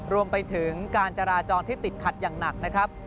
รวมไปถึงการจราจรที่ติดขัดอย่างหนักนะครับ